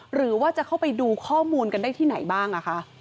หรือว่าจะเข้าไปดูข้อมูลกันได้ที่ไหนบ้าง